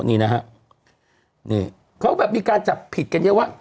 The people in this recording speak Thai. เขาก็มีการจับผิดกันเยอะว่า